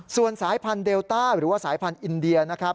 ส่วนสายพันธุเดลต้าหรือว่าสายพันธุ์อินเดียนะครับ